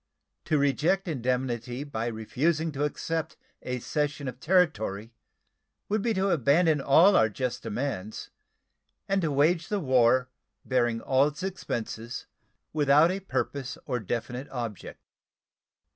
To reject indemnity by refusing to accept a cession of territory would be to abandon all our just demands, and to wage the war, bearing all its expenses, without a purpose or definite object.